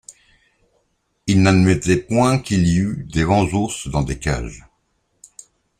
Il n’admettait point qu’il y eût des vents ours dans des cages.